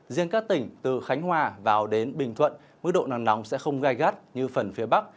riêng các tỉnh từ khánh hòa vào đến bình thuận mức độ nắng nóng sẽ không gai gắt như phần phía bắc